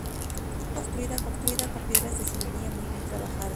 Está construida con piedras de sillería muy bien trabajadas.